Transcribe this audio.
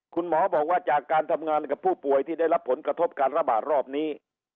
คุณหมอบอกว่าจากการทำงานกับผู้ป่วยที่ได้รับผลกระทบการระบาดรอบนี้